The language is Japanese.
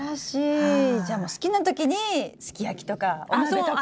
じゃあもう好きな時にすき焼きとかお鍋とか。